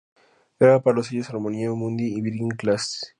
Graba para los sellos Harmonia Mundi y Virgin Classics.